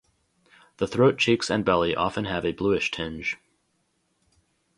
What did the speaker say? The throat, cheeks and belly often have a bluish tinge.